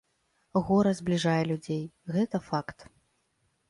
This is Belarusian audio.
Гора збліжае людзей, гэта факт.